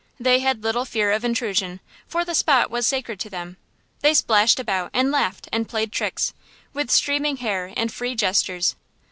They had little fear of intrusion, for the spot was sacred to them. They splashed about and laughed and played tricks, with streaming hair and free gestures.